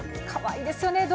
かわいいですよね。